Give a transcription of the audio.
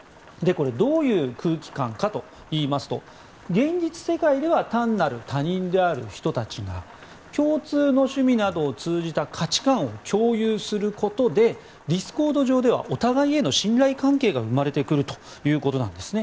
どういう空気感かといいますと現実世界では単なる他人である人たちが共通の趣味などを通じた価値観を共有することでディスコード上ではお互いの信頼関係が生まれてくるということなんですね。